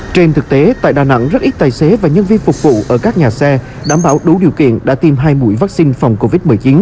trên thực tế tại đà nẵng rất ít tài xế và nhân viên phục vụ ở các nhà xe đảm bảo đủ điều kiện đã tiêm hai mũi vaccine phòng covid một mươi chín